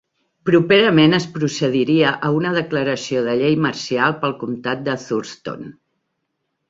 Properament es procediria a una declaració de llei marcial pel comtat de Thurston.